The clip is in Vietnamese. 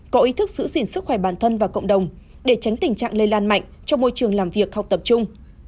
có ý thức giữ gìn sức khỏe bản thân và cộng đồng để tránh tình trạng lây lan mạnh trong môi trường làm việc học tập trung